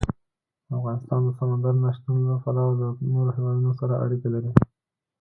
افغانستان د سمندر نه شتون له پلوه له نورو هېوادونو سره اړیکې لري.